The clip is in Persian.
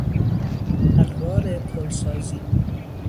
الوار پلسازی